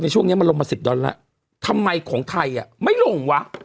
ช่วงนี้มันลงมาสิบดอลแล้วทำไมของไทยอ่ะไม่ลงวะ